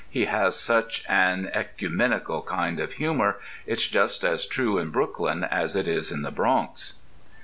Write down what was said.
He has such an [oe]cumenical kind of humour. It's just as true in Brooklyn as it is in the Bronx.